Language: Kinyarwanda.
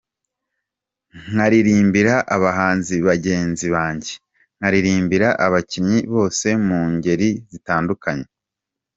Nkaririmbira abahanzi bagenzi banjye, nkaririmbira abakinnyii bose mu ngeri zitandukanye.